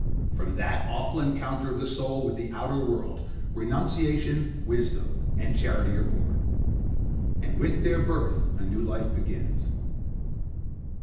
From that awful encounter of the soul with the outer world, renunciation, wisdom, and charity are born; and with their birth a new life begins.